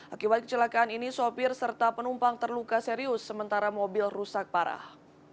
akibat kecelakaan ini sopir serta penumpang terluka serius sementara mobil rusak parah